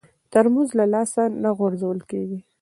ترموز له لاسه نه غورځول کېږي.